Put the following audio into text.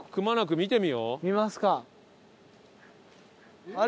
見ますか。